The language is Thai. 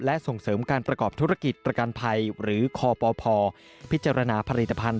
และส่งเสริมการประกอบธุรกิจประกันภัยหรือคปพพิจารณาผลิตภัณฑ